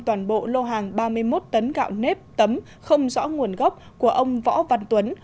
toàn bộ lô hàng ba mươi một tấn gạo nếp tấm không rõ nguồn gốc của ông võ văn tuấn